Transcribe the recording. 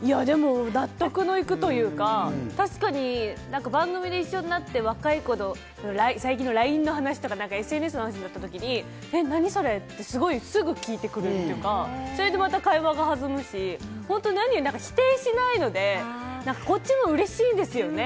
納得のいくというか、確かに番組で一緒になって、若い子の最近のＬＩＮＥの話とかＳＮＳの話になった時、何それ？と、すぐに聞いてくるというか、それでまた会話が弾むし、否定しないので、こっちも嬉しいですよね。